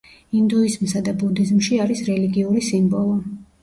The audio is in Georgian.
ინდუიზმსა და ბუდიზმში არის რელიგიური სიმბოლო.